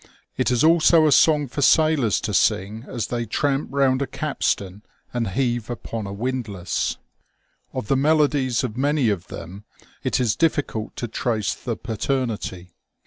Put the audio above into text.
It is also a song for sailors to sing as they tramp round a capstan and heave upon a windlass. Of the melodies of many of them it is difficult to trace the paternity.